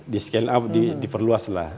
di scale up diperluas lah